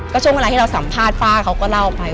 ช่วงเวลาที่เราสัมภาษณ์ป้าเขาก็เล่าไป